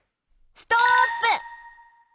ストップ！